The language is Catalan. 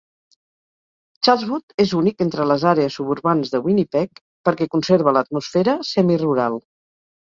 Charleswood és únic entre les àrees suburbanes de Winnipeg perquè conserva l"atmosfera semi-rural.